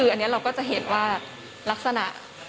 คืออันนี้เราก็จะเห็นว่าลักษณะ